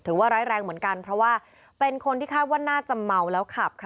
ว่าร้ายแรงเหมือนกันเพราะว่าเป็นคนที่คาดว่าน่าจะเมาแล้วขับค่ะ